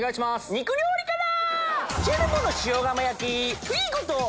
肉料理から！